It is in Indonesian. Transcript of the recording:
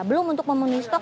belum untuk memenuhi stok